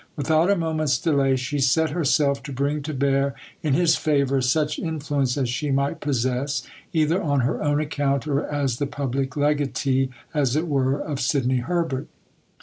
Without a moment's delay she set herself to bring to bear in his favour such influence as she might possess, either on her own account or as the public legatee, as it were, of Sidney Herbert.